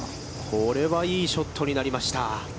これは、いいショットになりました。